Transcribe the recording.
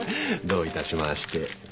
どういたしまして。